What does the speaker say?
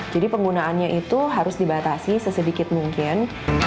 penggunaannya itu harus dibatasi sesedikit mungkin